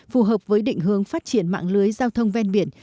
phù hợp với định hướng phát triển mạng lưới giao thông ven biển